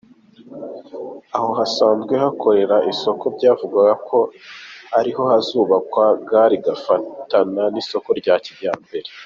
Aho hasanzwe hakorera isoko byavugwaga ko ariho hazubakwa gare igafatana n’isoko rya kijyambere.